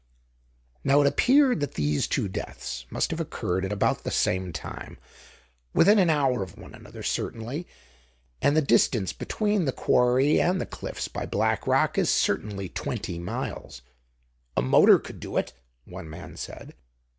Now, it appeared that these two deaths must have occurred at about the same time, within an hour of one another, certainly; and the distance between the quarry and the cliffs by Black Rock is certainly twenty miles. "A motor could do it," one man said.